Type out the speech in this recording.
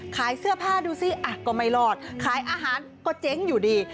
ขายเสื้อผ้าดูสิก็ไม่รอดขายอาหารก็เจ๊งอยู่ดี